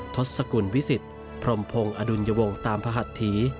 ทศกุลวิสิตพรหมพงษ์อดุลยวงตามพหัทธี